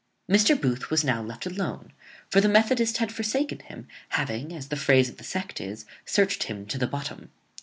Mr. Booth was now left alone; for the methodist had forsaken him, having, as the phrase of the sect is, searched him to the bottom.